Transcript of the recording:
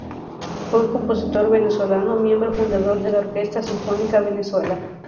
Fue un compositor venezolano, miembro fundador de la Orquesta Sinfónica Venezuela.